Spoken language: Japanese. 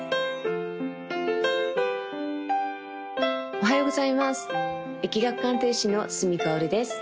おはようございます易学鑑定士の角かおるです